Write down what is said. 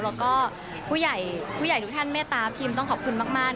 แล้วก็ผู้ใหญ่ทุกท่านแม่ท้าทิมต้องขอบคุณมากค่ะ